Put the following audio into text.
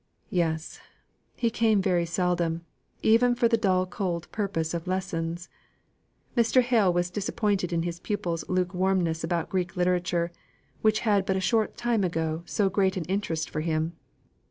Yes! he came very seldom, even for the dull cold purpose of lessons. Mr. Hale was disappointed in his pupil's lukewarmness about Greek literature, which had but a short time ago so great an interest for him.